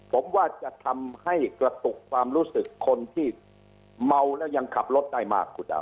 ผมว่าจะทำให้กระตุกความรู้สึกคนที่เมาแล้วยังขับรถได้มากคุณดาว